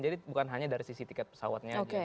jadi bukan hanya dari sisi tiket pesawatnya